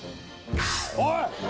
おい！